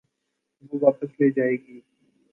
وہ واپس لی جائیں گی۔